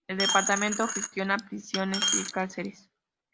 El departamento gestiona prisiones y cárceles.